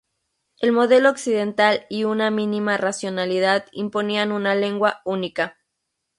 El modelo occidental y una mínima racionalidad imponían una lengua única.